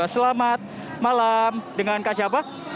selamat malam dengan kak siapa